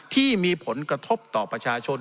ที่มีผลกระทบต่อประชาชน